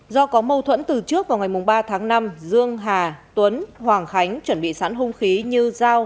do có mâu thuẫn từ trước vào ngày ba tháng năm dương hà tuấn hoàng khánh chuẩn bị sẵn hung khí như dao